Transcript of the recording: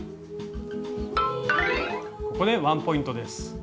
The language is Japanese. ここでワンポイントです。